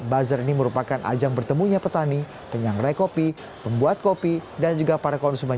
bazar ini merupakan ajang bertemunya petani penyangrai kopi pembuat kopi dan juga para konsumen